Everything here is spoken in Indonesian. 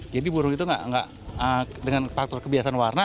jadi burung itu nggak dengan faktor kebiasaan warna